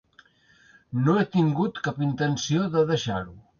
No he tingut cap intenció de deixar-ho.